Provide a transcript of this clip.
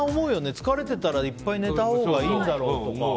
疲れたたら、いっぱい寝たほうがいいんだろうとか。